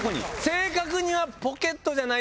正確には。